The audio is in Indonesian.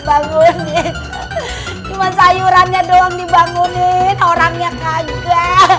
bangun sayurannya doang dibangunin orangnya kaget